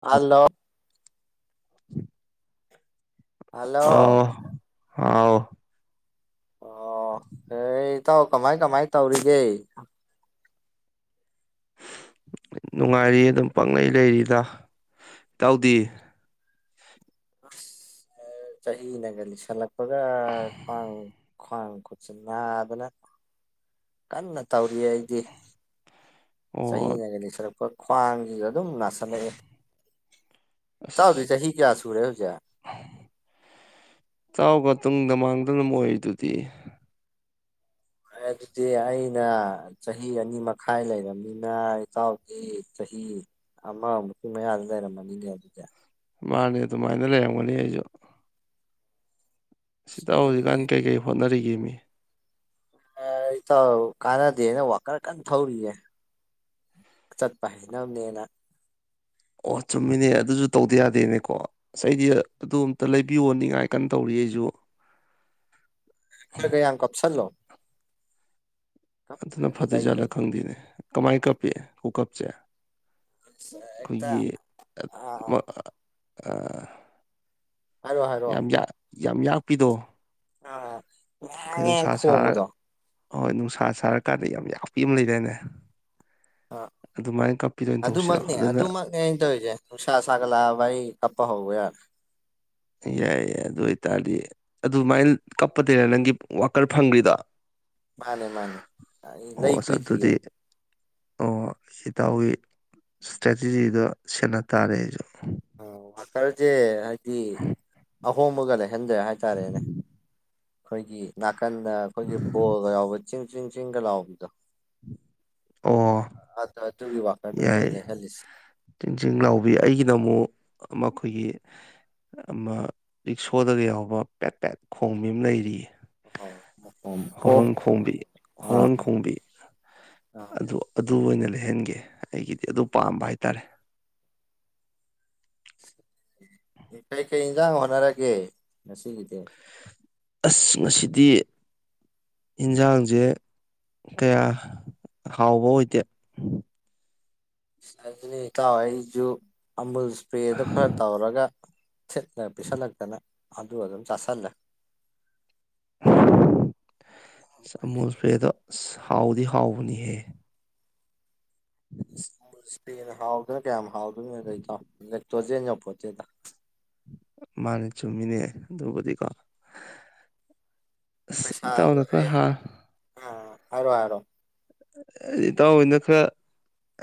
hello [inaudible] hello ꯑꯣ ꯍꯥꯎ ꯑꯣ ꯑꯦ ꯏꯇꯥꯎ ꯀꯃꯥꯏ ꯀꯃꯥꯏ ꯇꯧꯔꯤꯒꯦ ꯅꯨꯡꯉꯥꯏꯔꯤ ꯑꯗꯨꯝ ꯄꯪꯅꯩ ꯂꯩꯔꯤꯗ ꯏꯇꯥꯎꯗꯤ ꯑ ꯆꯍꯤꯅꯒ ꯂꯤꯁꯜꯂꯛꯄꯒ ꯈ꯭ꯋꯥꯡ ꯈ꯭ꯋꯥꯡ ꯈꯨꯠꯁꯦ ꯅꯥꯗꯅ ꯀꯟꯅ ꯇꯧꯔꯤꯌꯦ ꯑꯩꯗꯤ ꯑꯣ ꯆꯍꯤꯅꯒꯅ ꯂꯤꯁꯜꯂꯛꯄ ꯈ꯭ꯋꯥꯡꯁꯤꯖꯨ ꯑꯗꯨꯝ ꯅꯥꯁꯤꯜꯂꯛꯑꯦ ꯏꯇꯥꯎꯗꯤ ꯑꯁ ꯆꯍꯤ ꯀꯌꯥ ꯁꯨꯔꯦ ꯍꯧꯖꯤꯛ ꯏꯇꯥꯎꯒ ꯇꯨꯡꯗ ꯃꯥꯡꯗ ꯑꯗꯨꯝ ꯑꯣꯏꯔꯤꯗꯨꯗꯤ ꯑꯗꯨꯗꯤ ꯑꯩꯅ ꯆꯍꯤ ꯑꯅꯤ ꯃꯈꯥꯏ ꯂꯩꯔꯕꯅꯤꯅ ꯏꯇꯥꯎꯗꯤ ꯆꯍꯤ ꯑꯃꯃꯨꯛꯀꯤ ꯃꯌꯥꯗ ꯂꯩꯔꯝꯃꯅꯤꯅꯦ ꯑꯗꯨꯗꯤ ꯃꯥꯅꯦ ꯑꯗꯨꯃꯥꯏꯅ ꯂꯩꯔꯝꯒꯅꯤ ꯑꯩꯁꯨ ꯑꯁ ꯁꯤꯗ ꯑꯗꯨꯅꯤꯅꯦꯍꯦ ꯍꯧꯖꯤꯛꯀꯥꯟ ꯀꯔꯤꯀꯩ ꯍꯣꯠꯅꯔꯤꯒꯦ ꯃꯤ ꯑ ꯏꯇꯥꯎꯒ ꯀꯥꯟꯅꯗꯦꯅ ꯋꯥꯀꯔ ꯀꯟꯅ ꯊꯧꯔꯤꯌꯦ ꯆꯠꯄ ꯍꯩꯅꯝꯅꯦꯅ ꯑꯣ ꯆꯨꯝꯃꯤꯅꯦ ꯑꯗꯨꯁꯨ ꯇꯧꯗ ꯌꯥꯗꯦꯅꯦꯀꯣ ꯑꯁ ꯑꯩꯗꯤ ꯑꯗꯨ ꯑꯝꯇ ꯂꯩꯕꯤꯌꯣꯟ ꯅꯤꯡꯉꯥꯏ ꯀꯟꯅ ꯇꯧꯔꯤ ꯑꯩꯁꯨ ꯈꯔꯒ ꯌꯥꯝ ꯀꯞꯁꯜꯂꯣ ꯑꯗꯨꯅ ꯀꯞꯇ꯭ꯔꯒꯗꯤ ꯐꯗꯣꯏꯖꯥꯠꯂ ꯂꯩꯗꯅ ꯈꯪꯗꯦꯅꯦ ꯀꯃꯥꯏ ꯀꯞꯄꯤ ꯈꯨꯀꯞꯁꯦ ꯍꯦꯛꯇ ꯑꯩꯈꯣꯏꯒꯤ ꯑꯥ [unintelligible] ꯍꯥꯏꯔꯣ ꯍꯥꯏꯔꯣ ꯌꯥꯝ ꯌꯥꯛ ꯌꯥꯝ ꯌꯥꯛꯄꯤꯗꯣ ꯑꯥ ꯀꯩ ꯉꯥꯡꯉꯦ ꯅꯨꯡꯁꯥ ꯁꯥ ꯈꯣꯡꯕꯗꯣ ꯍꯣꯏ ꯅꯨꯡꯁꯥ ꯁꯥꯔꯀꯥꯟꯗ ꯌꯥꯝ ꯌꯥꯥꯛꯄꯤ ꯑꯃ ꯂꯩꯗꯥꯏꯅꯦ ꯑꯥ ꯑꯗꯨꯃꯥꯏꯅ ꯀꯞꯄꯤꯗꯣꯏꯅ ꯇꯧꯁꯤꯔꯣ ꯑꯗꯨꯅ ꯅꯦ ꯑꯩꯅ ꯇꯩꯖꯦ ꯅꯨꯡꯁꯥ ꯁꯒꯠꯂꯛꯑꯕ ꯑꯩ ꯀꯞꯄ ꯍꯧꯕ ꯌꯥꯔꯦ ꯌꯥꯏ ꯌꯥꯏ ꯑꯗꯨ ꯑꯣꯏ ꯇꯔꯗꯤ ꯑꯗꯨꯃꯥꯏꯅ ꯀꯞꯄꯗꯩꯔꯥ ꯅꯪꯒꯤ ꯋꯥꯀꯔ ꯐꯪꯈ꯭ꯔꯤꯗꯣ ꯃꯥꯅꯦ ꯃꯥꯅꯦ ꯂꯩ ꯑꯣ ꯑꯁ ꯀꯨꯏꯗ꯭ꯔꯤꯌ‌ꯦ ꯑꯗꯨꯗꯤ ꯑꯣ ꯏꯇꯥꯎꯒꯤ ꯏꯁꯇ꯭ꯔꯦꯇꯤꯖꯤꯗ‌ꯣ ꯁꯦꯟꯅ ꯇꯥꯔꯦ ꯑꯩꯖꯨ ꯑꯣ ꯐꯥꯀ꯭ꯔꯖ‌ꯦ ꯍꯥꯏꯗꯤ ꯑꯍꯣꯡꯕꯒ ꯂꯩꯍꯟꯗ꯭ꯔ‌ꯦ ꯍꯥꯏꯇꯥꯔꯦꯅꯦ ꯑꯩꯈꯣꯏꯒꯤ ꯅꯥꯀꯟꯗ ꯑꯩꯈꯣꯏꯒꯤ ꯕꯣꯜꯒ ꯌꯥꯥꯎꯕ ꯆꯤꯡ ꯆꯤꯡ ꯆꯤꯡꯒ ꯂꯥꯎꯕꯤꯗꯣ ꯑꯣ ꯑꯠ ꯑ ꯇꯨꯒꯤ ꯋꯥ ꯌꯥꯏꯌ‌ꯦ ꯆꯤꯡ ꯆꯤꯡ ꯂꯥꯎꯕꯤ ꯑꯩꯒꯤꯅ ꯑꯃꯨꯛ ꯑꯃ ꯈꯣꯏꯒꯤ ꯑꯃ ꯔꯤꯛꯁꯣꯗꯒ ꯌꯥꯎꯕ ꯄꯦꯠ ꯄꯦꯠ ꯈꯣꯡꯕꯤ ꯑꯃ ꯂꯩꯔꯤꯌꯦ ꯍꯥꯎ ꯍꯣꯔ‌ꯣꯟ ꯈꯣꯡꯕꯤ ꯍꯣꯔ‌ꯣꯟ ꯈꯣꯡꯕꯤ ꯑꯥ ꯑꯗꯨ ꯑꯗꯨ ꯑꯣꯏꯅ ꯂꯩꯍꯟꯒꯦ ꯑꯩꯒꯤꯗꯤ ꯑꯗꯨ ꯄꯥꯝꯕ ꯍꯥꯏꯇꯥꯔꯦ ꯀꯩꯀꯩ ꯏꯟꯖꯥꯡ ꯍꯣꯠꯅꯔꯒꯦ ꯉꯁꯤꯒꯤꯗꯤ ꯑꯁ ꯉꯁꯤꯗꯤ ꯏꯟꯖꯥꯡꯁꯦ ꯀꯌꯥ ꯍꯥꯎꯕ ꯑꯣꯏꯗꯦ ꯑꯗꯨꯅ‌ꯦ ꯏꯇꯥꯎ ꯑꯩꯖꯨ ꯑꯃꯨꯜ ꯏꯁꯄ꯭ꯔꯦꯗ‌ꯣ ꯈꯔ ꯇꯧꯔꯒ ꯊꯤꯠꯂ ꯄꯤꯁꯜꯂꯛꯇꯅ ꯑꯗꯨ ꯑꯗꯨꯝ ꯆꯥꯥꯁꯜꯂ‌ꯦ ꯑꯃꯨꯜ ꯏꯁꯄ꯭ꯔ‌ꯦꯗꯣ ꯑꯁ ꯍꯥꯎꯗꯤ ꯍꯥꯎꯕꯅꯤꯍꯦ [inaudible] [unintelligible] ꯍꯥꯎꯗꯅ ꯀꯌꯥꯝ ꯍꯥꯎꯗꯣꯏꯅꯣꯗ ꯏꯇꯥꯎ ꯂ‌ꯦꯛꯇꯣꯖ‌ꯦꯟ ꯌꯧꯄꯣꯟꯇ‌ꯦꯗ ꯃꯥꯅꯦ ꯆꯨꯝꯃꯤꯅꯦ ꯑꯗꯨꯕꯨꯗꯤꯀꯣ ꯑꯁ ꯄꯩꯁꯥꯗꯣ ꯏꯇꯥꯎꯅ ꯈꯔ ꯑꯩ ꯑ ꯍꯥ ꯍꯥꯏꯔꯣ ꯍꯥꯏꯔꯣ ꯏꯇꯥꯍ‌ꯣꯏꯅ ꯈꯔ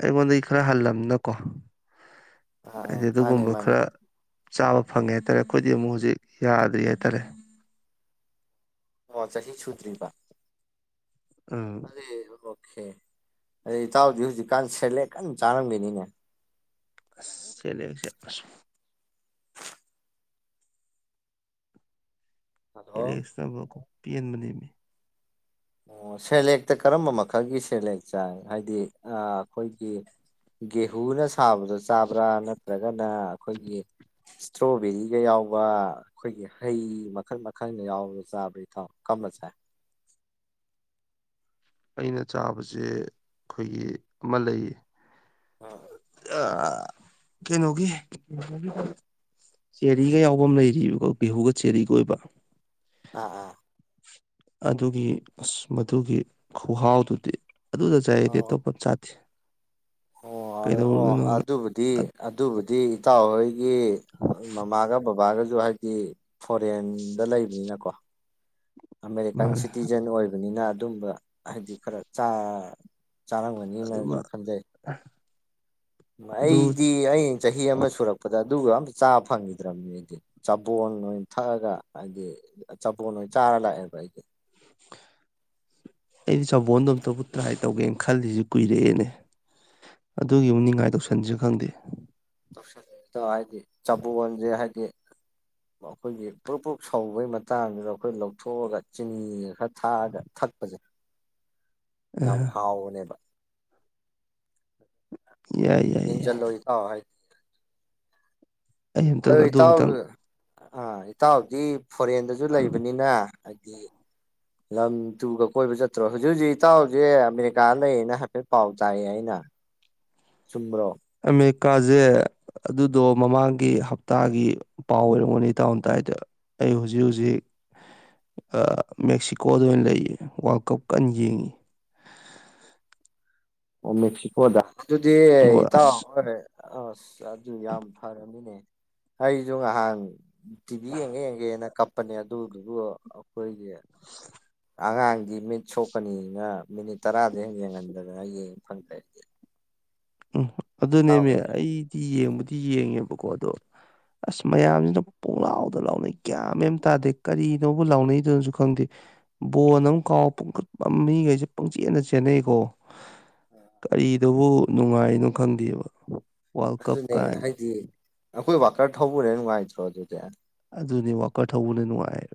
ꯑꯩꯉꯣꯟꯗꯩ ꯈꯔ ꯍꯜꯂꯝꯅꯤꯅꯀꯣ ꯑꯥ ꯑꯥ ꯍꯥꯏꯗꯤ ꯃꯥꯅꯦ ꯑꯗꯨꯒꯨꯝꯕ ꯃꯥꯅꯦ ꯈꯔ ꯆꯥꯕ ꯐꯪꯉꯦ ꯍꯥꯏꯇꯥꯔꯦ ꯑꯩꯈꯣꯏꯗꯤ ꯑꯃꯨꯛ ꯍꯧꯖꯤꯛ ꯌꯥꯗ꯭ꯔꯤ ꯍꯥꯏꯇꯥꯔꯦ ꯑꯣ ꯆꯁꯤ ꯁꯨꯗ꯭ꯔꯤꯕ ꯎꯝ ꯑꯗꯨꯏ ꯑꯣꯀꯦ ꯑꯗꯩ ꯏꯇꯥꯎꯗꯤ ꯍꯧꯖꯤꯛꯀꯥꯟ ꯁꯦꯂꯦꯛ ꯀꯟ ꯆꯥꯔꯝꯒꯤꯅꯤꯅꯦ ꯑꯁ ꯁ‌ꯦꯂꯦꯛꯁ‌ꯦ ꯑꯁ ꯍꯜꯂꯣ ꯑꯦꯂꯦꯛꯁ ꯅꯕꯀꯣ ꯄꯦꯟꯕꯅꯦꯃꯤ ꯑꯣ ꯁꯦꯂꯦꯛꯇ ꯀꯔꯝꯕ ꯃꯈꯜꯒꯤ ꯁꯦꯂꯦꯛ ꯆꯥꯏ ꯍꯥꯏꯗꯤ ꯑꯥ ꯑꯩꯈꯣꯏꯒꯤ ꯒꯦꯍꯨꯅ ꯁꯥꯕꯗ‌ꯣ ꯆꯥꯕ꯭ꯔꯥ ꯅꯠꯇ꯭ꯔꯒꯅ ꯑꯩꯈꯣꯏꯒꯤ ꯏꯁꯇ꯭ꯔꯣꯕꯦꯔꯤꯒ ꯌꯥꯎꯕ ꯑꯩꯈꯣꯏꯒꯤ ꯍꯩ ꯃꯈꯜ ꯃꯈꯜꯒ ꯌꯥꯎꯕꯗ‌ꯣ ꯆꯥꯕ꯭ꯔꯥ ꯏꯇꯥꯎ ꯀꯝꯕ ꯆꯥꯏ ꯑꯩꯅ ꯆꯥꯕꯖ‌ꯦ ꯑꯩꯈꯣꯏꯒꯤ ꯑꯃ ꯂꯩꯌꯦ ꯑ ꯑ ꯀꯩꯅꯣꯒꯤ [unintelligible] ꯆꯦꯔꯤꯒ ꯌꯥꯎꯕ ꯑꯃ ꯂꯩꯔꯤꯕꯀꯣ ꯒꯦꯍꯨꯒ ꯆꯦꯔꯤꯒ ꯑꯣꯏꯕ ꯑꯥ ꯑꯥ ꯑꯗꯨꯒꯤ ꯑꯁ ꯃꯗꯨꯒꯤ ꯈꯨꯍꯥꯎꯗꯨꯗꯤ ꯑꯗꯨꯗ ꯆꯥꯏ ꯑꯩꯗꯤ ꯑꯣ ꯑꯇꯣꯞꯄꯝ ꯆꯥꯗꯦ ꯑꯣ ꯑꯗ‌ꯣ ꯑꯣ ꯀꯩꯗꯧꯔꯨꯗꯣꯏꯅꯣꯅ ꯑꯗꯨꯕꯨꯗꯤ ꯑꯗꯨꯕꯨꯗꯤ ꯍꯇꯥꯎ ꯍꯣꯏꯒꯤ ꯃꯃꯥꯒ ꯕꯕꯥꯒꯖꯨ ꯍꯥꯏꯗꯤ ꯐꯣꯔꯦꯟꯗ ꯂꯩꯕꯅꯤꯅꯀꯣ ꯑꯃꯦꯔꯤꯀꯥꯟ ꯃꯥꯅꯦ ꯁꯤꯇꯤꯖꯦꯟ ꯑꯣꯏꯕꯅꯤꯅ ꯑꯗꯨꯝꯕ ꯍꯥꯏꯗꯤ ꯈꯔ ꯆꯥ ꯆꯥꯔꯝꯒꯅꯤꯅꯖꯨ ꯈꯟꯖꯩ ꯑ ꯑꯩꯗꯤ ꯑꯩꯅ ꯆꯍꯤ ꯑꯃ ꯁꯨꯔꯛꯄꯗ ꯑꯗꯨꯒ ꯑꯝꯇ ꯆꯥ ꯐꯪꯒꯤꯗ꯭ꯔꯝꯅꯤ ꯑꯩꯗꯤ ꯆꯕꯣꯞ ꯑꯣꯏꯅ ꯊꯛꯑꯒ ꯍꯥꯏꯗꯤ ꯆꯕꯣꯟ ꯑꯣꯏꯅ ꯆꯥꯔ ꯂꯥꯛꯑꯦꯕ ꯑꯩꯗꯤ [inaudible] ꯑꯩꯗꯤ ꯆꯕꯣꯟꯗꯣ ꯑꯝꯇꯕꯨ ꯇ꯭ꯔꯥꯏ ꯇꯧꯒꯦꯅ ꯈꯜꯂꯤꯁꯤ ꯀꯨꯏꯔꯛꯑꯦꯅꯦ ꯑꯗꯨꯒꯤꯃꯨꯛ ꯅꯤꯡꯉꯥꯏ ꯇꯧꯁꯟꯁꯤꯔ ꯈꯪꯗꯦ ꯇꯧꯁꯟ ꯇꯥꯎ ꯍꯥꯏꯗꯤ ꯆꯕꯣꯟꯖꯦ ꯍꯥꯏꯗꯤ ꯑꯩꯈꯣꯏꯒꯤ ꯄꯨꯔꯛ ꯄꯨꯛ ꯁꯧꯕꯒꯤ ꯃꯇꯥꯡꯗꯨꯗ ꯑꯩꯈꯣꯏ ꯂꯧꯊꯣꯛꯑꯒ ꯆꯤꯅꯤ ꯈꯔ ꯊꯥꯛꯑꯒ ꯊꯛ ꯄꯖꯦ ꯌꯥꯝ ꯑ ꯍꯥꯎꯕꯅꯦꯕ ꯌꯥꯏ ꯌꯥꯏ ꯌꯥꯏ ꯌꯦꯡꯖꯜꯂꯣ ꯏꯇꯥꯎ ꯍꯥꯏ ꯑꯩ ꯑꯝꯇꯪ ꯑꯣ ꯑꯗꯨ ꯏꯇꯥꯎ ꯑꯝꯇꯪ ꯑꯥ ꯏꯇꯥꯎꯗꯤ ꯐꯣꯔꯦꯟꯗꯁꯨ ꯂꯩꯕꯅꯤꯅ ꯍꯥꯏꯗꯤ ꯂꯝ ꯇꯨꯒ ꯀꯣꯏꯕ ꯆꯠꯇ꯭ꯔꯣ ꯍꯧꯖꯤꯛ ꯍꯧꯖꯤꯛ ꯏꯇꯥꯎꯁꯦ ꯑꯃꯦꯔꯤꯀꯥ ꯂꯩꯌꯦꯅ ꯍꯥꯏꯐꯦꯠ ꯄꯥꯎ ꯇꯥꯏꯌꯦ ꯑꯩꯅ ꯆꯨꯝꯕ꯭ꯔꯣ ꯑꯃꯦꯔꯤꯀꯥꯁꯦ ꯑꯗꯨꯗꯣ ꯃꯃꯥꯡꯒꯤ ꯍꯞꯇꯥꯒꯤ ꯄꯥꯎ ꯑꯣꯏꯔꯝꯒꯅꯤ ꯏꯇꯥꯎꯅ ꯇꯥꯏꯗꯣ ꯑꯩ ꯍꯧꯖꯤꯛ ꯍꯧꯖꯤꯛ ꯑꯥ ꯃꯦꯛꯁꯤꯀꯣꯗ ꯑꯣꯏꯅ ꯂꯩꯌꯦ ꯋꯥꯔꯜ ꯀꯞ ꯀꯟꯅ ꯌꯦꯡꯏꯤ ꯑꯣ ꯃꯦꯛꯁꯤꯀꯣꯗ ꯑꯗꯨꯗꯤ ꯍꯣꯏ ꯏꯇꯦꯎ ꯑꯁ [unintelligible] ꯑꯥꯁ ꯑꯗꯨ ꯌꯥꯝ ꯐꯔꯕꯅꯤꯅꯦ ꯑꯩꯁꯨ ꯉꯍꯥꯟ ꯇꯤꯚꯤ ꯌꯦꯡꯒꯦ ꯌꯦꯡꯒꯦꯅ ꯀꯞ ꯄꯅꯦ ꯑꯗꯨꯗꯨꯕꯨ ꯑꯈꯣꯏꯒꯤ ꯑꯉꯥꯡꯗꯤ ꯃꯤꯠ ꯁꯣꯛꯀꯅꯤꯅ ꯃꯤꯅꯤꯠ ꯇꯔꯥꯗꯩ ꯍꯦꯡ ꯌꯦꯡꯍꯟꯗꯗꯅ ꯌꯦꯡ ꯐꯪꯗ꯭ꯔꯦ ꯑꯩꯗꯤ ꯎꯝ ꯑꯗꯨꯅꯦꯃꯦ ꯍꯣꯏꯗꯤ ꯑꯩꯗꯤ ꯌꯦꯡꯕꯨꯗꯤ ꯌꯦꯡꯉꯦꯕꯀꯣ ꯑꯗꯣ ꯑꯁ ꯃꯌꯥꯝꯁꯤꯅ ꯄꯣꯡꯂꯥꯎꯗ ꯂꯥꯎꯅꯩ ꯒꯌꯥꯟ ꯃꯦꯟ ꯑꯝ ꯇꯥꯗꯦ ꯀꯔꯤꯅꯣꯕꯨ ꯂꯥꯎꯅꯩꯗꯨꯅꯁꯨ ꯈꯪꯗꯦ ꯕꯣꯟ ꯑꯃ ꯀꯥꯎ ꯄꯪꯈꯠꯄ ꯃꯤꯈꯩꯁꯦ ꯄꯪꯆꯦꯠꯗ ꯆꯦꯟꯅꯩꯀꯣ ꯀꯔꯤꯗꯕꯨ ꯅꯨꯡꯉꯥꯏꯔꯤꯅꯣ ꯈꯪꯗꯦꯕ ꯋꯥꯔꯜ ꯀꯞ ꯑꯗꯨꯅꯦ ꯀꯥꯏꯅ ꯍꯥꯏꯗꯤ ꯑꯩꯈꯣꯏ ꯋꯥꯀꯔ ꯊꯧꯎꯔꯦ ꯅꯨꯡꯉꯥꯏꯇ꯭ꯔꯣ ꯑꯗꯨꯗꯤ ꯑꯗꯨꯅꯤ ꯋꯥꯀꯔ ꯊꯧꯕꯅ ꯅꯨꯡꯉꯥꯏꯕ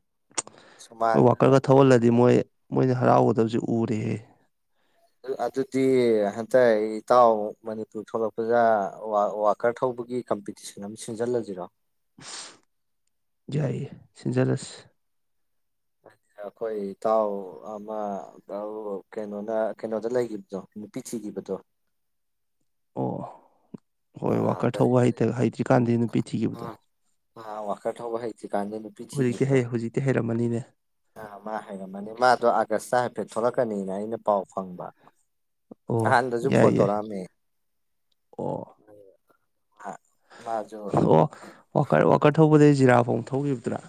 ꯃꯣꯏ ꯁꯨꯃꯥꯡꯗꯒ ꯋꯥꯀꯔꯒ ꯑꯩꯈꯣꯏꯒꯤ ꯊꯧꯍꯜꯂꯗꯤ ꯃꯣꯏ ꯃꯣꯏꯅ ꯍꯔꯥꯎꯒꯗꯕꯁꯤ ꯎꯔꯦꯍꯦ ꯑꯥ ꯑꯗꯨꯗꯤ ꯍꯟꯇꯛ ꯏꯇꯥꯎ ꯃꯅꯤꯄꯨꯔ ꯊꯣꯛꯂꯛꯄꯗ ꯋꯥꯋꯥ ꯀꯔ ꯊꯧꯕꯒꯤ ꯀꯝꯄꯤꯇꯤꯁꯟ ꯑꯃ ꯁꯤꯟꯖꯜꯂꯁꯤꯔꯣ ꯌꯥꯏꯌꯦ ꯁꯤꯟꯖꯟꯂꯁꯤ ꯑꯩꯈꯣꯏ ꯏꯇꯥꯎ ꯑꯃ ꯑꯧ ꯀꯩꯅꯣꯅ ꯀꯩꯅꯣꯗ ꯂꯩꯈꯤꯕꯗꯣ ꯅꯨꯄꯤ ꯊꯤꯒꯤꯕꯗꯣ ꯑꯣ ꯍꯣꯏ ꯑꯥ ꯋꯥꯀꯔ ꯀꯔꯤ ꯊꯧꯕ ꯀꯔꯤ ꯍꯩꯇ ꯍꯩꯇ꯭ꯔꯤꯀꯥꯟꯗꯩ ꯅꯨꯄꯤ ꯊꯤꯒꯤꯕꯗꯣ ꯃꯥ ꯋꯥꯀ ꯊꯧꯕ ꯍꯩꯇ꯭ꯔꯤꯀꯥꯟꯗꯩ ꯅꯨ ꯍꯨꯖꯤꯛꯇꯤ ꯍꯩ ꯍꯨꯖꯤꯛꯇꯤ ꯍꯩꯔꯝꯃꯅꯤꯅꯦ ꯑꯥ ꯃꯥ ꯍꯥꯏꯔꯝꯃꯅꯤ ꯃꯥꯗꯣ ꯑꯥꯒꯁ ꯆ ꯍꯥꯏꯐꯦꯠ ꯊꯣꯛꯂꯛꯀꯅꯤꯗꯅ ꯑꯩꯅ ꯄꯥꯎ ꯐꯪꯕ ꯑꯣ ꯅꯍꯥꯟꯗꯁꯨ ꯌꯥꯏ ꯐꯣꯟ ꯌꯥꯏ ꯇꯧꯔꯛꯑꯝꯃꯦ ꯑꯣ ꯃꯥ ꯃꯥꯖꯨ ꯑꯣ ꯋꯥꯀꯔ ꯋꯥꯀꯔ ꯊꯧꯕꯗꯒꯤ ꯖꯤꯔꯥꯐꯧ ꯊꯧꯒꯤꯕꯗꯨꯔꯥ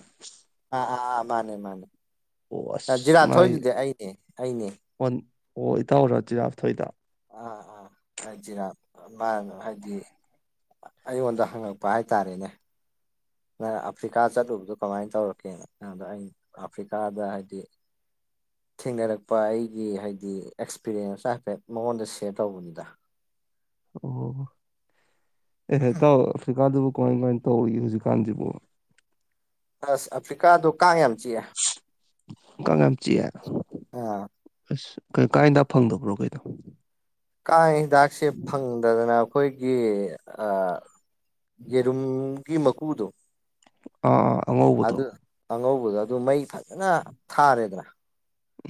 ꯑꯥ ꯑꯥ ꯑꯥ ꯃꯥꯅꯦ ꯃꯥꯅꯦ ꯑꯣ ꯑꯁ ꯖꯤꯔꯥꯞ ꯃꯥꯏ ꯊꯧꯔꯤꯗꯨꯗꯤ ꯑꯩꯅꯦ ꯑꯩꯅꯦ ꯋꯥꯟ ꯑꯣ ꯏꯇꯥꯎꯔ ꯖꯤꯔꯥꯞ ꯊꯣꯏꯗꯣ ꯑꯥ ꯑꯥ ꯍꯥ ꯖꯤꯔꯥꯞ ꯃꯥꯟ ꯍꯥꯏꯗꯤ ꯑꯩꯉꯣꯟꯗ ꯍꯪꯉꯛꯄ ꯍꯥꯏꯇꯥꯔꯦꯅꯦ ꯅꯪ ꯑꯐ꯭ꯔꯤꯀꯥ ꯆꯠꯂꯨꯕꯗꯣ ꯀꯃꯥꯏꯅ ꯇꯧꯔꯛꯀꯦꯅꯥ ꯑꯗ ꯑꯩꯅ ꯑꯐ꯭ꯔꯤꯀꯥꯗ ꯍꯥꯏꯗꯤ ꯊꯦꯡꯅꯔꯛꯄ ꯑꯩꯒꯤ ꯍꯥꯏꯗꯤ ꯑꯦꯛꯁꯄꯤꯔꯤꯌꯦꯟꯁꯇ ꯍꯥꯏꯐꯦꯠ ꯃꯉꯣꯟꯗ ꯁꯦꯌꯔ ꯇꯧꯕꯅꯤꯗ ꯑꯣ [unintelligible] ꯑꯐ꯭ꯔꯤꯀꯥꯗꯨꯕꯨ ꯀꯃꯥꯏ ꯀꯃꯥꯏ ꯇꯧꯔꯤꯒꯦ ꯍꯧꯖꯤꯛꯀꯥꯟꯖꯤꯕꫭ ꯑꯁ ꯑꯐ꯭ꯔꯤꯀꯥꯗꯣ ꯀꯥꯡ ꯌꯥꯝ ꯆꯤꯛꯑꯦ ꯀꯥꯡ ꯌꯥꯝ ꯆꯤꯛꯑꯦ [unintelligible] ꯑꯁ [unintelligible] ꯀꯥꯡꯍꯤꯗꯥꯛ ꯐꯪꯗꯕ꯭ꯔꯣ ꯀꯩꯅꯣ ꯀꯥꯡ ꯍꯤꯗꯥꯛꯁꯦ ꯐꯪꯗꯗꯅ ꯑꯈꯣꯏꯒꯤ ꯑ ꯌꯦꯔꯨꯝꯒꯤ ꯃꯀꯨꯗꯣ ꯑꯥ ꯑꯉꯧ ꯑꯗꯨ ꯑꯉꯧꯕꯗꯣ ꯑꯗꯨ ꯃꯩ ꯐꯖꯅ ꯊꯥꯔꯦꯗꯅ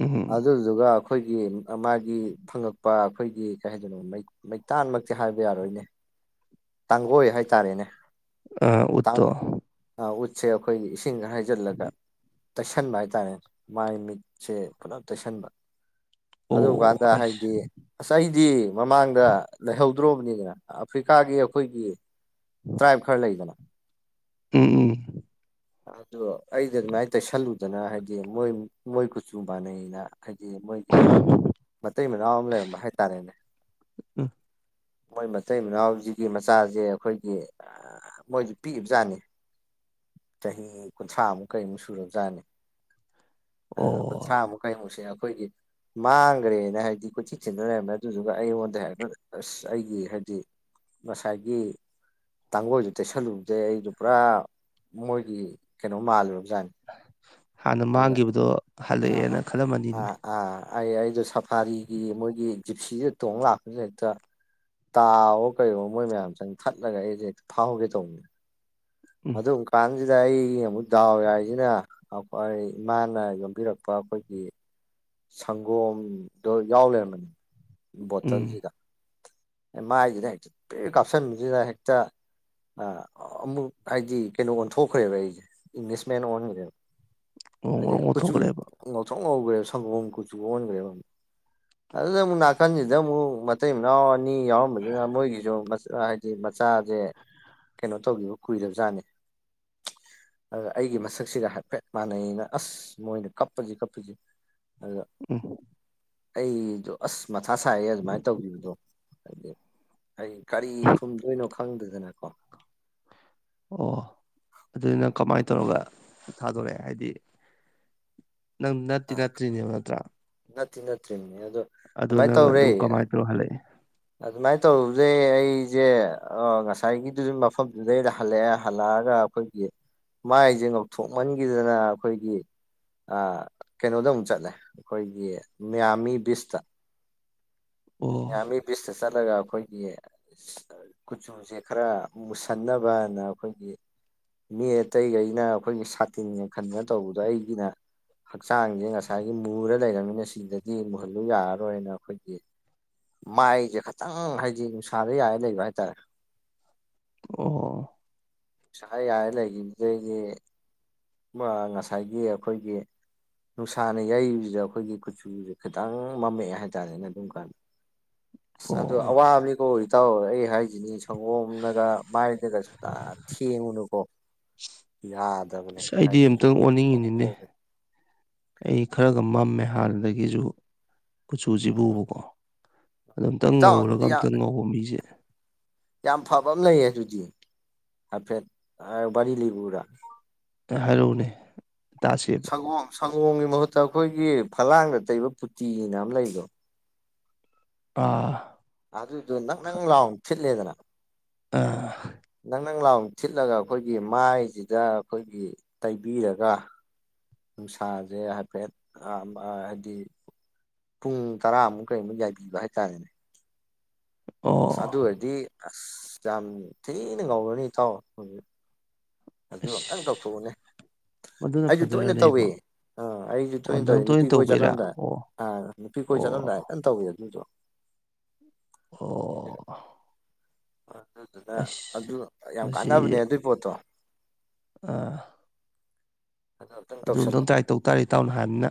ꯎꯝ ꯑꯗꯨꯗꯨꯒ ꯑꯈꯣꯏꯒꯤ ꯃꯥꯒꯤ ꯐꯪꯉꯛꯄ ꯑꯩꯈꯣꯏꯒꯤ ꯀꯩ ꯍꯥꯏꯗꯅꯣ ꯃꯩ ꯃꯩꯇꯥꯟꯃꯛꯇꯤ ꯍꯥꯏꯕ ꯌꯥꯔꯣꯏꯅꯦ ꯇꯥꯡꯒꯣꯏ ꯍꯥꯏꯇꯥꯔꯦꯅꯦ ꯑ ꯎꯠꯇꯣ ꯑ ꯎꯠꯁꯦ ꯑꯈꯣꯏꯒꯤ ꯏꯁꯤꯡ [unintelligible] ꯍꯥꯏꯖꯜꯂꯒ ꯇꯩꯁꯟꯕ ꯍꯥꯏꯇꯥꯔꯦꯅꯦ ꯃꯥꯏ ꯃꯤꯠꯁꯦ ꯄꯨꯂꯞ ꯇꯩꯁꯟꯕ ꯑꯣ ꯑꯗꯨꯝꯀꯥꯟꯗ ꯑꯁ ꯍꯥꯏꯗꯤ ꯑꯁ ꯑꯩꯗꯤ ꯃꯃꯥꯡꯗ ꯂꯩꯍꯧ ꯗ꯭ꯔꯣꯕꯅꯤꯗꯅ ꯑꯐ꯭ꯔꯤꯀꯥꯒꯤ ꯑꯩꯈꯣꯏꯒꯤ ꯇ꯭ꯔꯥꯏꯞ ꯈꯔ ꯂꯩꯗꯅ ꯎꯝ ꯎꯝ ꯑꯗꯨ ꯑꯩꯗꯤ ꯑꯗꯨꯃꯥꯏꯟ ꯇꯩꯁꯜꯂꯨꯗꯅ ꯍꯥꯏꯗꯤ ꯃꯣꯏ ꯃꯣꯏ ꯀꯨꯆꯨ ꯃꯥꯟꯅꯩꯅ ꯍꯥꯏꯗꯤ ꯃꯣꯏꯒꯤ ꯃꯇꯩ ꯃꯅꯥꯎ ꯑꯃ ꯂꯩꯔꯝꯕ ꯍꯥꯏꯇꯥꯔꯦꯅꯦ ꯎꯝ ꯃꯣꯏ ꯃꯇꯩ ꯃꯅꯥꯎꯖꯤꯒꯤ ꯃꯆꯥꯖꯦ ꯑꯈꯣꯏꯒꯤ ꯃꯣꯏꯁꯨ ꯄꯤꯏꯞꯖꯥꯠꯅꯤ ꯆꯍꯤ ꯀꯨꯟꯊ꯭ꯔꯥꯃꯨꯛ ꯀꯔꯤꯃꯨꯛ ꯁꯨꯔꯞꯖꯥꯠꯅꯤ ꯑꯗꯨ ꯑꯣ ꯀꯨꯟꯊ꯭ꯔꯥꯃꯨꯛ ꯀꯩꯃꯨꯛꯁꯦ ꯑꯈꯣꯏꯒꯤ ꯃꯥꯡꯒ꯭ꯔꯦꯅ ꯍꯥꯏꯗꯤ ꯀꯣꯏꯊꯤ ꯊꯤꯟꯅ ꯂꯩꯔꯝꯃꯦ ꯑꯗꯨꯗꯨꯒ ꯑꯩꯉꯣꯟꯗ ꯍꯦꯛꯇ ꯑꯁ ꯑꯩꯒꯤ ꯍꯥꯏꯗꯤ ꯉꯁꯥꯏꯒꯤ ꯇꯥꯡꯒꯣꯏꯗꫭ ꯇꯩꯁꯜꯂꯨꯞꯗꯩ ꯑꯩꯗꯨ ꯄꯨꯔꯥ ꯃꯣꯏꯒꯤ ꯀꯩꯅꯣꯝ ꯃꯥꯜꯂꯨꯔꯞꯖꯥꯠꯅꯤ ꯍꯥꯟꯅ ꯃꯥꯡꯒꯤꯕꯗꯣ ꯑꯥ ꯍꯜꯂꯛꯑꯦꯅ ꯈꯜꯂꯝꯃꯅꯤꯃꯤ ꯑꯥ ꯑꯥ ꯑꯩ ꯑꯩꯗꯣ ꯁꯐꯥꯔꯤꯒꯤ ꯃꯣꯏꯒꯤ ꯖꯤꯞꯁꯤꯗ ꯇꯣꯡ [unintelligible] ꯍꯦꯛꯇ ꯇꯥꯋꫭ ꯀꯩꯋꫭ ꯃꯣꯏ ꯃꯌꯥꯝ ꯆꯪ ꯊꯠꯂꯒ ꯑꯩꯖꯦ ꯐꯥꯍꯧꯒꯦ ꯇꯧꯕꯅꯦ ꯎꯝ ꯑꯗꯨꯝꯀꯥꯟ ꯖꯤꯗ ꯑꯩꯒꯤ ꯑꯃꯨꯛ ꯗꯥꯎ ꯌꯥꯔꯤꯖꯤꯅ ꯑꯈꯣꯏ ꯏꯃꯥꯅ ꯌꯣꯝꯕꯤꯔꯛꯄ ꯑꯈꯣꯏꯒꯤ ꯁꯪꯒꯣꯝꯗꯣ ꯌꯥꯎ ꯂꯩꯔꯝꯕꯅꯦ ꯎꯝ ꯕꯣꯇꯜꯖꯤꯗ ꯃꯥꯏꯖꯤꯗ ꯍꯦꯛꯇ [unintelligible] ꯀꯥꯞꯁꯟꯕꯖꯤꯗ ꯍꯦꯛꯇ ꯑ ꯑꯃꯨꯛ ꯍꯥꯏꯗꯤ ꯀꯩꯅꯣ ꯑꯣꯟꯊꯣꯛꯈ꯭ꯔꯦꯕ ꯑꯩꯖꯦ ꯏꯪꯂꯤꯁ ꯃꯦꯟ ꯑꯣꯟꯒ꯭ꯔꯦ ꯉꯧꯔꯣꯛ ꯉꯧꯔꯣꯛ [unintelligible] ꯀꯨꯆꯨ ꯉꯧꯊꯣꯛꯈ꯭ꯔꯦꯕ ꯉꯧꯊꯣꯛ ꯉꯧꯒ꯭ꯔꯦꯕ ꯁꯪꯒꯣꯝ ꯀꯨꯆꯨ ꯑꯣꯟꯒ꯭ꯔꯦꯕ ꯑꯗꯨꯗ ꯑꯃꯨꯛ ꯅꯥꯀꯟꯖꯤꯗ ꯑꯃꯨꯛ [unintelligible] ꯃꯇꯩ ꯃꯅꯥꯎ ꯑꯅꯤ ꯌꯥꯎꯔꯝꯕꯖꯤꯅ ꯃꯣꯏꯒꯤꯖꯨ [unintelligible] ꯃꯆꯥꯖꯦ ꯀꯩꯅꯣ ꯇꯧꯒꯤꯕ ꯀꯨꯏꯔꯞꯖꯥꯠꯅꯤ ꯑ ꯑꯩꯒꯤ ꯃꯁꯛꯁꯤꯒ ꯍꯥꯏꯐꯦꯠ ꯃꯥꯟꯅꯩꯩꯅ ꯑꯁ ꯃꯣꯏꯅ ꯀꯞꯄꯖꯤ ꯀꯞꯄꯖꯤ [unintelligible] [unintelligible] ꯑꯩꯗꯣ ꯑꯁ ꯃꯊꯥ ꯁꯥꯏꯌꯦ ꯑꯗꯨꯃꯥꯏ ꯇꯧꯒꯤꯕꯗꯣ ꯍꯥꯏꯗꯤ ꯑꯩ ꯀꯔꯤ ꯈꯨꯝꯗꯣꯏꯅꯣ ꯈꯪꯗꯗꯅꯀꯣ ꯑꯣ ꯑꯗꯨꯗꯤ ꯅꯪ ꯀꯃꯥꯏꯟ ꯇꯧꯔꯒ ꯊꯥꯗꯣꯔꯛꯑꯦ ꯍꯥꯏꯗꯤ ꯅꯪ ꯅꯠꯇꯤ ꯅꯠꯇ꯭ꯔꯤꯅꯦꯕ ꯅꯠꯇ꯭ꯔ ꯅꯠꯇꯤ ꯅꯠꯇ꯭ꯔꯤꯅꯦ ꯑꯗꯣ ꯀꯃꯥꯏ ꯇꯧꯔꯦ ꯑꯗꫭ ꯍꯜꯂꯛꯑ‌ꯦ ꯑꯗꯨꯃꯥꯏꯅ ꯇꯧꯔꯨꯕꯗꯩ ꯑꯩꯁꯦ ꯑꯥ ꯉꯁꯥꯏꯒꯤꯗꯨꯁꯨ ꯃꯐꯝꯗꯨꯗꯩꯗ ꯍꯜꯂꯛꯑꯦ ꯍꯜꯂꯛꯑꯒ ꯑꯩꯈꯣꯏꯒꯤ ꯃꯥꯏꯁꯦ ꯉꯧꯊꯣꯛꯃꯟꯈꯤꯗꯅ ꯑꯩꯈꯣꯏꯒꯤ ꯑꯥ ꯀꯩꯅꯣꯗ ꯑꯃꯨꯛ ꯆꯠꯂꯦ ꯑꯩꯈꯣꯏꯒꯤ ꯃꯌꯥꯝꯃꯤ ꯕꯤꯁꯇꯥ ꯑꯣ ꯃꯤꯌꯥꯝꯃꯤ ꯕꯤꯁꯇꯥ ꯆꯠꯂꯒ ꯑꯩꯈꯣꯏꯒꯤ ꯀꯨꯆꯨꯁꯦ ꯈꯔ ꯃꯨꯁꯟꯅꯕꯅ ꯑꯩꯈꯣꯏꯒꯤ ꯃꯤ ꯑꯇꯩꯒꯩꯅ ꯑꯩꯈꯣꯏꯒꯤ ꯁꯥꯇꯤꯟꯒ ꯈꯟꯗꯅ ꯇꯧꯕꯗꯣ ꯑꯩꯒꯤꯅ ꯍꯛꯆꯥꯡꯁꯦ ꯉꯁꯥꯏꯒꯤ ꯃꯨꯔ ꯂꯩꯔꯕꯅꯤꯅ ꯁꯤꯗꯗꯤ ꯃꯨꯍꯜꯂꯨ ꯌꯥꯔꯔꯣꯏꯅ ꯑꯩꯈꯣꯏꯒꯤ ꯃꯥꯏꯁꯦ ꯈꯇꯪ ꯍꯥꯏꯗꯤ ꯅꯨꯡꯁꯥꯗ ꯌꯥꯔ ꯂꯩꯕ ꯍꯥꯏꯇꯥꯔꯦ ꯑꯣ ꯁ ꯌꯥꯏ [unintelligible] ꯂꯩꯒꯤꯕꯗꯩꯗꯤ ꯃꯥ ꯉꯁꯥꯏꯒꯤ ꯑꯩꯈꯣꯏꯒꯤ ꯅꯨꯡꯁꯥꯅ ꯌꯩꯕꯁꯤꯗ ꯑꯩꯈꯣꯏꯒꯤ ꯀꯨꯆꯨꯁꯦ ꯈꯤꯇꯪ ꯃꯝꯃꯛꯑꯦ ꯍꯥꯏꯇꯥꯔꯦꯅꯦ ꯑꯗꯨꯝ ꯀꯥꯟꯗ ꯑꯁ ꯑꯗꯣ ꯑꯣ ꯑꯋꯥꯕꯅꯤꯀꯣ ꯏꯇꯥꯎ ꯑꯩ ꯍꯥꯏꯁꯤꯅꯤ ꯁꯪꯒꯣꯝꯅꯒꯥ ꯃꯥꯏꯗꯒ ꯁꯨꯡꯇꯥ ꯊꯦꯡꯉꯨꯅꯨꯀꯣ ꯌꯥꯍ ꯏꯁ ꯑꯩꯗꯤ ꯑꯝꯇꯪ ꯑꯣꯅꯤꯡꯉꯤꯅꯤꯅꯦ ꯑꯩ ꯈꯔꯒ ꯃꯝꯃꯦ ꯍꯥꯟꯅꯗꯒꯤꯁꯨ ꯀꯨꯆꯨꯁꯤꯕꯨꯕꯀꯣ ꯑꯗꯣ ꯑꯝꯇꯪ ꯏꯇꯥꯎ ꯉꯧꯔꯒ ꯑꯗꯨꯗꯤ ꯌꯥꯝ ꯑꯝꯇꯪ ꯉꯧꯕ ꯃꯤꯁꯦ ꯌꯥꯝ ꯐꯕ ꯑꯃꯥ ꯂꯩꯌꯦ ꯑꯗꯨꯗꯤ ꯍꯥꯏꯐꯦꯠ ꯋꯥꯔꯤ ꯂꯤꯔꯨꯔꯥ ꯍꯥꯏꯔꯛꯎꯅꯦ ꯇꯥꯁꯦꯕ ꯁꯪꯒꯣꯝ ꯁꯪꯒꯣꯝꯒꯤ ꯃꯍꯨꯠꯇꯥ ꯑꯩꯈꯣꯏꯒꯤ ꯐꯂꯥꯡꯗ ꯇꯩꯕ ꯄꯨꯇꯤꯅ ꯑꯃꯥ ꯂꯩꯕꯗꯣ ꯑꯥ ꯑꯗꯨꯗꯣ ꯅꯪ ꯅꯪ ꯂꯥꯎ ꯊꯤꯠꯂꯦꯗꯅ ꯑꯥ ꯅꯪ ꯅꯪ ꯂꯥꯎ ꯊꯤꯠꯂꯒ ꯑꯩꯈꯣꯏꯒꯤ ꯃꯥꯏꯁꯤꯗ ꯑꯩꯈꯣꯏꯒꯤ ꯇꯩꯕꯤꯔꯒꯥ ꯅꯨꯡꯁꯥꯁꯦ ꯍꯥꯏꯐꯦꯠ ꯍꯥꯏꯗꯤ ꯄꯨꯡ ꯇꯔꯥꯃꯨꯛ ꯀꯩꯃꯨꯛ ꯌꯥꯏꯕꯤꯕ ꯍꯥꯏꯇꯥꯔꯦꯅꯦ ꯑꯣ ꯑꯁ ꯑꯗꯨꯔꯗꯤ ꯑꯁ ꯌꯥꯝ ꯊꯤꯅ ꯉꯧꯔꯅꯤ ꯏꯇꯥꯎ ꯑꯗꯨ ꯑꯃꯇꯪ ꯑꯁ ꯇꯧꯊꯣꯛꯎꯅꯦ ꯃꯗꯨꯅ ꯑꯩꯁꯨ ꯇꯣꯏꯅ ꯐꯗꯣꯏꯔꯅꯦ ꯇꯧꯋ‌ꯦ ꯑꯩꯕꯣ ꯑꯥ ꯑꯩꯖꯨ ꯑꯣ ꯊꯣꯏꯅ ꯇꯧꯋ‌ꯦ ꯅꯪ ꯅꯨꯄꯤ ꯇꯣꯏꯅ ꯀꯣꯏ ꯇꯧꯕꯩꯔꯥ ꯆꯠꯂꯝꯗꯥꯏ ꯑꯣ ꯑꯥ ꯅꯨꯄꯤ ꯀꯣꯏ ꯆꯠꯂꯝꯗꯥꯏ ꯑꯣ ꯇꯧꯋꯦ ꯑꯗꯨꯗꫭ ꯑꯣ ꯑꯗꯨꯗꯨꯅꯥ ꯑꯁ ꯑꯗꯨ ꯌꯥꯝ ꯀꯥꯟꯅꯕꯅꯦ ꯃꯁꯤ ꯑꯗꯨꯏ ꯄꯣꯠꯇꯣ ꯑꯥ ꯑꯗꯨ ꯑꯝꯇꯪ ꯇ꯭ꯔꯥꯏ ꯇꯧ ꯇꯥꯔꯦ ꯏꯇꯥꯎꯅ ꯍꯥꯏꯕꯅꯤꯅ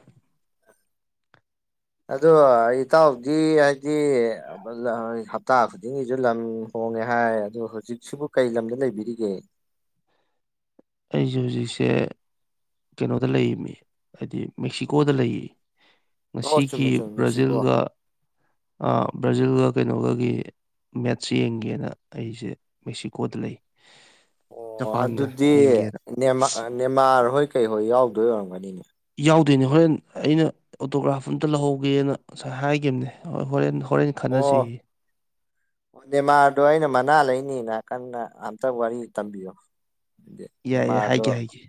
ꯑꯗꯣ ꯏꯇꯥꯎꯗꯤ ꯍꯥꯏꯗꯤ ꯕꯖꯥꯔ ꯍꯞꯇꯥ ꯈꯨꯗꯤꯡꯒꯤꯁꯨ ꯂꯝ ꯍꯣꯡꯉꯦ ꯍꯥꯏ ꯑꯗꯨ ꯍꯧꯖꯤꯛꯁꯤꯕꯨ ꯀꯩ ꯂꯝꯗ ꯂꯩꯕꯤꯔꯤꯒꯦ ꯑꯩꯁꯨ ꯍꯧꯖꯤꯛꯁꯦ ꯀꯩꯅꯣꯗ ꯂꯩꯃꯤ ꯍꯥꯏꯗꯤ ꯃꯦꯛꯁꯤꯀꯣꯗ ꯂꯩꯌ‌ꯦ ꯑꯣ ꯉꯁꯤꯒꯤ ꯆꯨꯝꯃꯦ ꯆꯨꯝꯃꯦ ꯃꯦꯛꯁꯤꯀꯣ ꯕ꯭ꯔꯥꯖꯤꯜꯒ ꯑꯥ ꯕ꯭ꯔꯥꯖꯤꯜꯒ ꯀꯩꯅꯣꯒꯒꯤ ꯃꯦꯠꯁ ꯌꯦꯡꯒꯦꯅ ꯑꯩꯁꯦ ꯃꯦꯛꯁꯤꯀꯣꯗ ꯂꯩ ꯑꯣ ꯖꯄꯥꯟꯒ ꯑꯗꯨꯗꯤ ꯌꯦꯡꯒꯦꯅ ꯅ‌ꯦꯃꯥꯔ ꯅꯦꯃꯥꯔ ꯍꯣꯏ ꯀꯩꯍꯣꯏ ꯌꯥꯎꯗꯣꯏ ꯑꯣꯏꯔꯝꯒꯅꯤꯅꯦ ꯌꯥꯎꯗꯣꯏꯅꯦ ꯍꯣꯔꯦꯟ ꯑꯩꯅ ꯑꯣꯇꯣꯒ꯭ꯔꯥꯐ ꯑꯝꯇꯥ ꯂꯧꯍꯧꯒꯦꯅ ꯉꯁꯥꯏ ꯍꯥꯏꯒꯤꯈꯤꯕꯅꯦ [unintelligible] ꯍꯣꯔ‌ꯦꯟ ꯍꯣꯔꯦꯟ ꯍꯣꯔꯦꯟ ꯈꯟꯅꯖ‌ꯌꯦ [inaudible] ꯅꯦꯃꯥꯔꯗꯣ ꯑꯩꯅ ꯃꯅꯥ ꯂꯩꯅꯤꯅ ꯀꯟꯅ ꯑꯝꯇ ꯋꯥꯔꯤ ꯇꯝꯕꯤꯌꯣ ꯌꯥꯏ ꯌꯥꯏ ꯅꯦꯃꯥꯔꯗꯣ ꯍꯥꯏꯒꯦ ꯍꯥꯏꯒꯦ